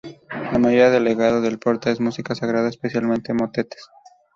La mayoría del legado de Porta es música sagrada, especialmente motetes.